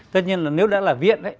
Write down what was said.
tất nhiên là nếu đã là viện